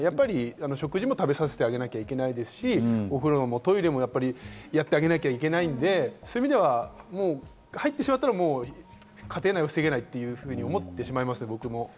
食事も食べさせてあげなきゃいけないし、お風呂もトイレもやってあげなきゃいけないのでそういう意味では入ってしまったら家庭内は防げないと思ってしまいますね。